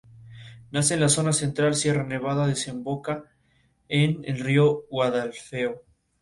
Nace en la zona central de Sierra Nevada y desemboca en el río Guadalfeo.